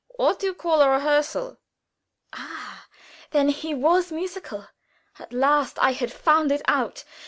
"What you call a rehearsal." Ah! then he was musical. At last I had found it out.